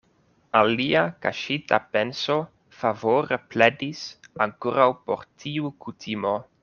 Alia kaŝita penso favore pledis ankoraŭ por tiu kutimo.